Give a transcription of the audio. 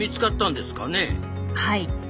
はい。